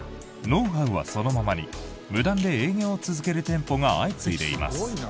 ノウハウはそのままに無断で営業を続ける店舗が相次いでいます。